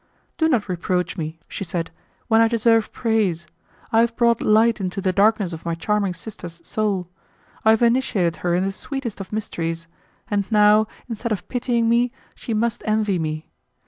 "Do not reproach me," she said, "when I deserve praise. I have brought light into the darkness of my charming sister's soul; I have initiated her in the sweetest of mysteries, and now, instead of pitying me, she must envy me.